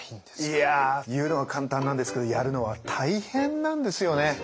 いや言うのは簡単なんですけどやるのは大変なんですよね。